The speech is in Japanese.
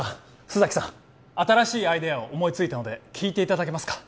須崎さん新しいアイデアを思いついたので聞いていただけますか？